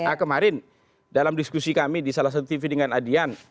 nah kemarin dalam diskusi kami di salah satu tv dengan adian